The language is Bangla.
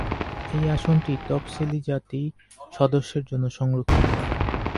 এই আসনটি তফসিলি জাতি সদস্যের জন্য সংরক্ষিত।